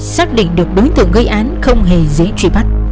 xác định được đối tượng gây án không hề dễ truy bắt